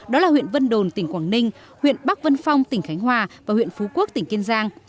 đó là huyện vân đồn tỉnh quảng ninh huyện bắc vân phong tỉnh khánh hòa và huyện phú quốc tỉnh kiên giang